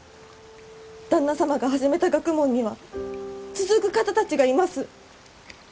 旦那様が始めた学問には続く方たちがいます。